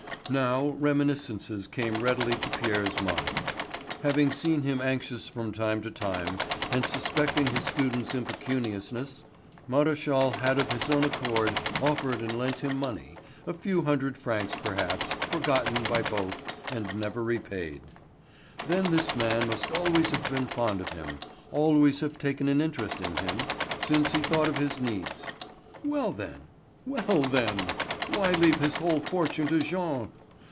Now, reminiscences came readily to Pierre's mind. Having seen him anxious from time to time, and suspecting his student's impecuniousness, Maréchal had of his own accord offered and lent him money, a few hundred francs perhaps, forgotten by both, and never repaid. Then this man must always have been fond of him, always have taken an interest in him, since he thought of his needs. Well then—well then—why leave his whole fortune to Jean?